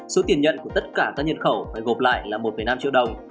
số tiền nhận của tất cả các nhân khẩu phải gộp lại là một năm triệu đồng